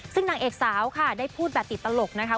ซึ่งนางเอกสาวค่ะได้พูดแบบติดตลกนะคะ